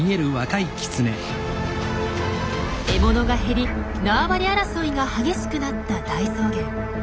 獲物が減り縄張り争いが激しくなった大草原。